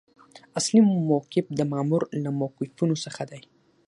اصلي موقف د مامور له موقفونو څخه دی.